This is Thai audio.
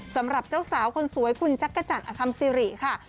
สำหรับเจ้าสาวคนสวยคุณจักรจันทร์อคัมซิริค่ะ